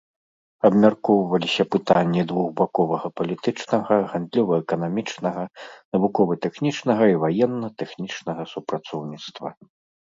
Абмяркоўваліся пытанні двухбаковага палітычнага, гандлёва-эканамічнага, навукова-тэхнічнага і ваенна-тэхнічнага супрацоўніцтва.